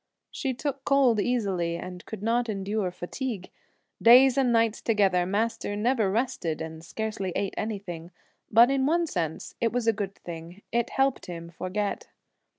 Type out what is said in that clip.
She took cold easily and could not endure fatigue. Days and nights together Master never rested and scarcely ate anything, but in one sense it was a good thing; it helped him forget.